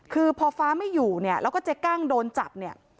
คือพอฟ้าไม่อยู่เนี่ยแล้วก็เจ๊กั้งโดนจับเนี่ย